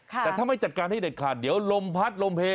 แต่ถ้าไม่จัดการให้เด็ดขาดเดี๋ยวลมพัดลมเฮ